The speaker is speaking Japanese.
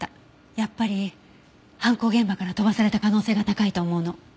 やっぱり犯行現場から飛ばされた可能性が高いと思うの。